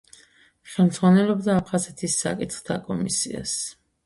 ხელმძღვანელობდა აფხაზეთის საკითხთა კომისიას.